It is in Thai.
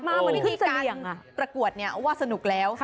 มีการประกวดเนี่ยว่าสนุกแล้ว